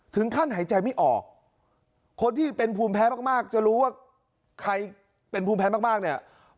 หายใจไม่ออกคนที่เป็นภูมิแพ้มากจะรู้ว่าใครเป็นภูมิแพ้มากเนี่ย